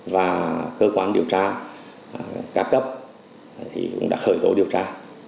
và cơ quan điều tra ca cấp thì cũng đã khởi tố điều tra